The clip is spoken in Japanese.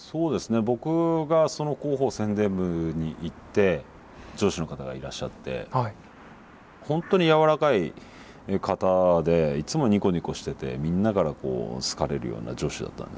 僕がその広報宣伝部に行って上司の方がいらっしゃって本当に柔らかい方でいつもニコニコしててみんなから好かれるような上司だったんですけど。